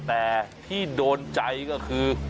แต่ที่โดนใจก็คือ